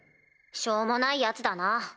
しょうもないヤツだな。